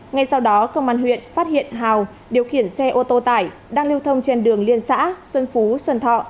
ngay sau đó công an huyện phát hiện hào điều khiển xe ô tô tải đang lưu thông trên đường liên xã xuân phú xuân thọ